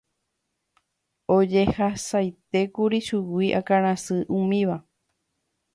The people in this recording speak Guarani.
Ojehasaitékuri chugui akãrasy umíva.